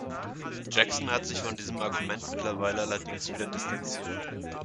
Jackson hat sich von diesem Argument mittlerweile allerdings wieder distanziert.